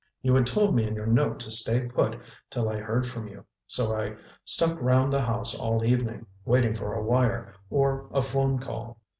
You had told me in your note to stay put till I heard from you, so I stuck round the house all evening, waiting for a wire, or a phone call.